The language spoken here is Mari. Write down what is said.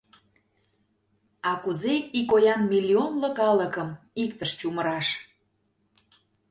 А кузе икоян миллионло калыкым иктыш чумыраш?